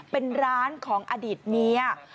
เป็นร้านของอดีตเมีย